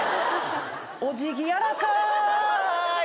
お辞儀やらかい。